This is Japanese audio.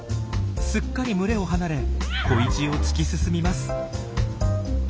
すっかり群れを離れ恋路を突き進みます。